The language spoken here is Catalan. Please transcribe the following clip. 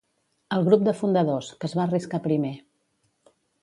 Al grup de fundadors, que es va arriscar primer.